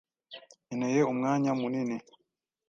Nkeneye umwanya munini.